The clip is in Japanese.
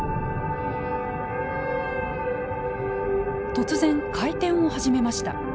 突然回転を始めました。